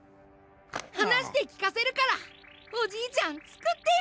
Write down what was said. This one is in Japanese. はなしてきかせるからおじいちゃんつくってよ！